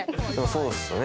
そうっすよね。